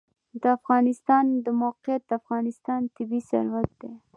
د افغانستان د موقعیت د افغانستان طبعي ثروت دی.